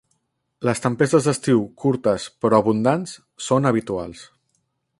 Les tempestes d'estiu curtes, però abundants, són habituals.